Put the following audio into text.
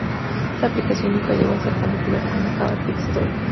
Esta aplicación nunca llegó a ser tan popular como Java Pet Store.